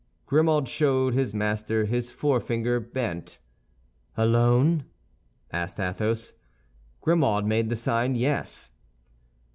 Grimaud showed his master his forefinger bent. "Alone?" asked Athos. Grimaud made the sign yes.